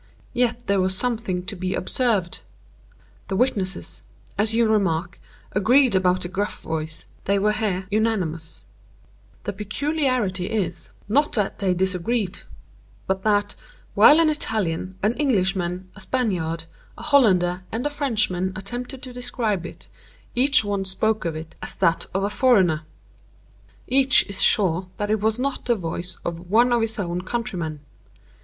Yet there was something to be observed. The witnesses, as you remark, agreed about the gruff voice; they were here unanimous. But in regard to the shrill voice, the peculiarity is—not that they disagreed—but that, while an Italian, an Englishman, a Spaniard, a Hollander, and a Frenchman attempted to describe it, each one spoke of it as that of a foreigner. Each is sure that it was not the voice of one of his own countrymen.